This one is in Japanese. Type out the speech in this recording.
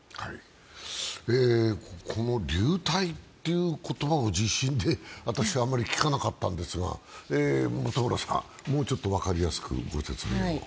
この流体という言葉を地震で私はあまり聞かなかったんですが、元村さん、もうちょっと分かりやすくご説明を。